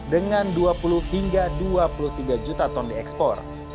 dengan dua puluh hingga dua puluh tiga juta ton diekspor